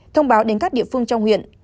thông báo đến các địa phương trong huyện